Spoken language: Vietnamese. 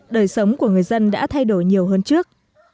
đời sống của người dân đã thay đổi nhiều hơn trước